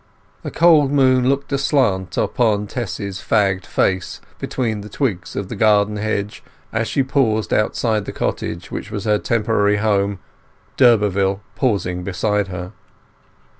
The cold moon looked aslant upon Tess's fagged face between the twigs of the garden hedge as she paused outside the cottage which was her temporary home, d'Urberville pausing beside her.